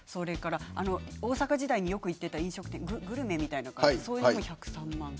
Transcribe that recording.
大阪時代によく行っていた飲食店グルメみたいな感じで１０３万回。